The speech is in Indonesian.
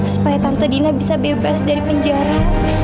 supaya tante dina bisa bebas dari penjara